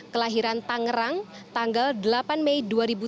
kelahiran tangerang tanggal delapan mei dua ribu tiga